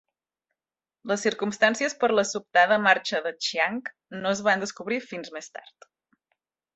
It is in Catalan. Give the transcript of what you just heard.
Les circumstàncies per la sobtada marxa de Chiang no es van descobrir fins més tard.